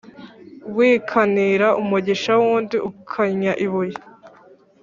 Wikanira umugisha w’undi ukannya ibuye.